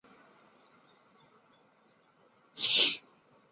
粗皮桉为桃金娘科桉属下的一个种。